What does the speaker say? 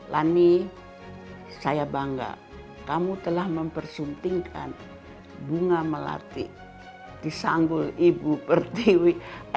lani saya bangga kamu telah mempersuntingkan bunga melati di sanggul ibu pertiwi